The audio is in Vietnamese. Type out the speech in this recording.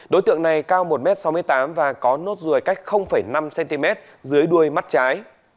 đối tượng này cao một m sáu mươi tám và có nốt ruồi cách năm cm dưới đuôi mắt trái